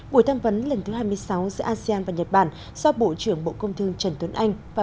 buổi tham vấn lần thứ hai mươi sáu giữa asean và nhật bản do bộ trưởng bộ công thương trần tuấn anh và